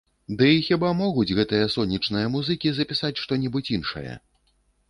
Ды і хіба могуць гэтыя сонечныя музыкі запісаць што-небудзь іншае?